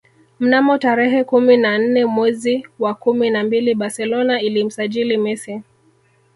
Mnamo tarehe kumi na nne mwezi wa kumi na mbili Barcelona ilimsajili Messi